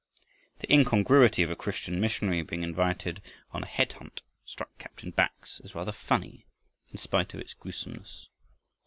The incongruity of a Christian missionary being invited on a head hunt struck Captain Bax as rather funny in spite of its gruesomeness.